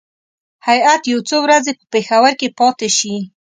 هیات یو څو ورځې په پېښور کې پاتې شي.